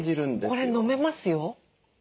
これ飲めますよ。